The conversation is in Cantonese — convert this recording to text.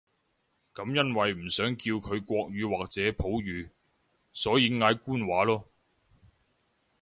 噉因為唔想叫佢國語或者普語，所以嗌官話囉